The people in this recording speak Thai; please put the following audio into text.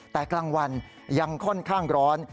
แต่กลางวันยังค่อนข้างร้อน